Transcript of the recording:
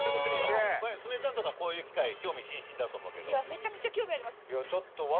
曽根ちゃんとかこういう機械興味津々だと思うけど。